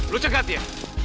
lu cegat ya